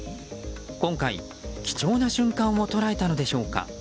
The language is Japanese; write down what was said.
今回、貴重な瞬間を捉えたのでしょうか。